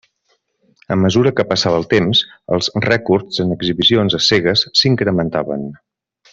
A mesura que passava el temps, els rècords en exhibicions a cegues s'incrementaven.